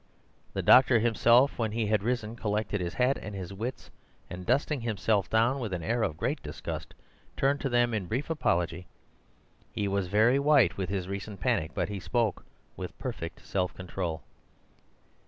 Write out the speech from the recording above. The doctor himself, when he had risen, collected his hat and wits, and dusting himself down with an air of great disgust, turned to them in brief apology. He was very white with his recent panic, but he spoke with perfect self control.